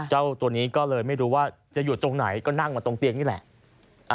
เจ้าตัวนี้ก็เลยไม่รู้ว่าจะอยู่ตรงไหนก็นั่งมาตรงเตียงนี่แหละ